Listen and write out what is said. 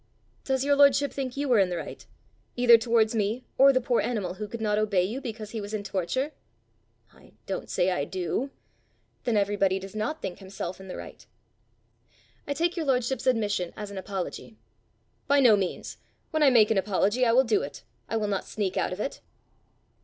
"Does your lordship think you were in the right either towards me or the poor animal who could not obey you because he was in torture?" "I don't say I do." "Then everybody does not think himself in the right! I take your lordship's admission as an apology." "By no means: when I make an apology, I will do it; I will not sneak out of it."